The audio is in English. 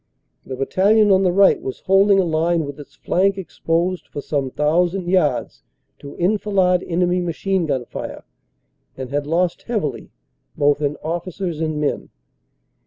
The battalion on the right was holding a line with its flank exposed for some thousand yards to enfilade enemy machine gun fire, and had lost heavily both in officers and men.